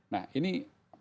nah ini peran peran ini